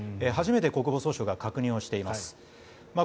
初めて国防総省が確認しています。